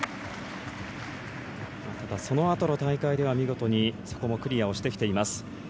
ただそのあとの大会では見事にそこをクリアしています。